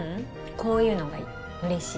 こういうのがいい嬉しい